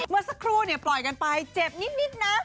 เมื่อสักครู่ปล่อยกันไปเจ็บนิดนะ